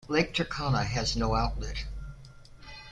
Lake Turkana has no outlet.